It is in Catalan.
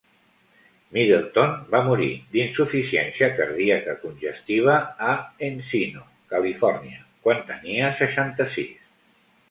Middleton va morir d"insuficiència cardíaca congestiva a Encino, Califòrnia, quan tenia seixanta-sis.